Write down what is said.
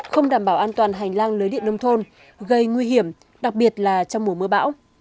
không đảm bảo an toàn hành lang lưới điện nông thôn gây nguy hiểm đặc biệt là trong mùa mưa bão